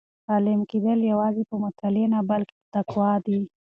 عالم کېدل یوازې په مطالعې نه بلکې په تقوا دي.